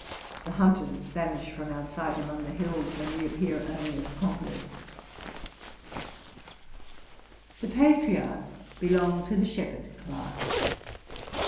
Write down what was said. The hunters vanish from our sight among the hills, and re appear only as conquerors. The patriarchs belonged to the shepherd class.